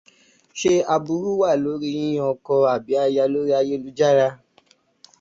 Ṣé aburú wà lórí yíyan ọkọ àbí aya lórí ayélujára?